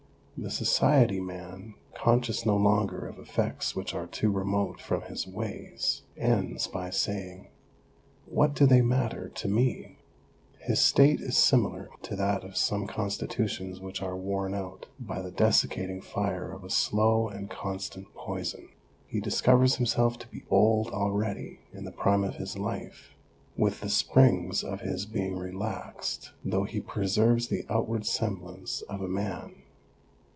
The society man, conscious no longer of effects which are too remote from his ways, ends by saying :" What do they matter to me ?" His state is similar to that of some con stitutions which are worn out by the desiccating fire of a slow and constant poison ; he discovers himself to be old already in the prime of his life, with the springs of his being relaxed, though he preserves the outward semblance of a man.